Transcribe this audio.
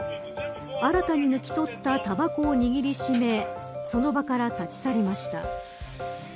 新たに抜き取ったたばこを握り締めその場から立ち去りました。